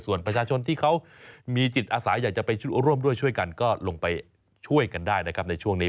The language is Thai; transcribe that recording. ส่วนประชาชนที่เขามีจิตอาสาอยากจะไปช่วยร่วมด้วยช่วยกันก็ลงไปช่วยกันได้นะครับในช่วงนี้